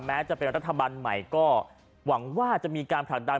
แม้จะเป็นรัฐบาลใหม่ก็หวังว่าจะมีการผลักดัน